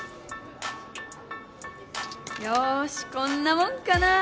よしこんなもんかな